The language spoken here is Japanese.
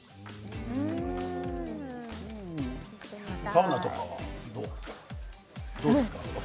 サウナとかはどうですか？